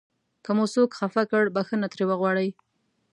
که مو څوک خفه کړ بښنه ترې وغواړئ.